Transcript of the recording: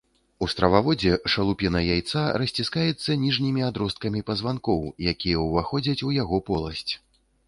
У страваводзе шалупіна яйца расціскаецца ніжнімі адросткамі пазванкоў, якія ўваходзяць у яго поласць.